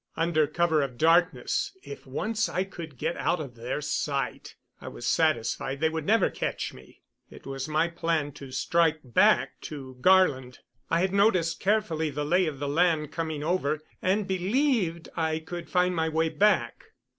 Under cover of darkness, if once I could get out of their sight, I was satisfied they would never catch me. It was my plan to strike back to Garland. I had noticed carefully the lay of the land coming over, and believed I could find my way back.